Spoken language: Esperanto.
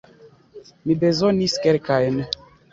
Mi bezonis kelkajn.